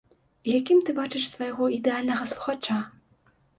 І якім ты бачыш свайго ідэальнага слухача?